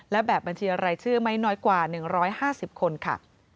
และแบบบัญชีรายชื่อไม่น้อยกว่า๑๕๐คนค่ะ